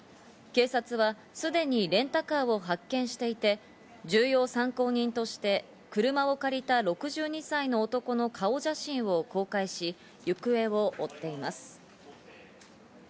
警察はすでにレンタカーを発見していて、重要参考人として車を借りた６２歳の男の顔写真を公開し、行方を追っています。